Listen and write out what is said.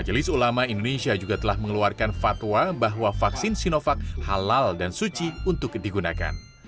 majelis ulama indonesia juga telah mengeluarkan fatwa bahwa vaksin sinovac halal dan suci untuk digunakan